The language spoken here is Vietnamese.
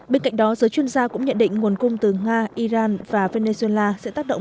bên cạnh đó giới chuyên gia cũng nhận định nguồn cung từ nga iran và venezuela sẽ tác động